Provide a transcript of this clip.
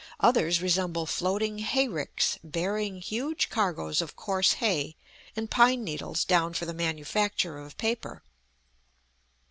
Others resemble floating hay ricks, bearing huge cargoes of coarse hay and pine needles down for the manufacture of paper.